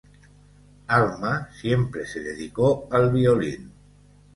Alma siempre se dedicó al violín.